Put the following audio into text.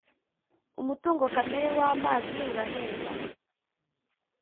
umutungo kamere w ‘amazi urahenda.